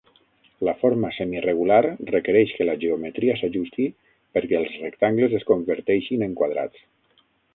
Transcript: La forma semiregular requereix que la geometria s'ajusti perquè els rectangles es converteixin en quadrats.